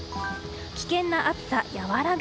危険な暑さ、和らぐ。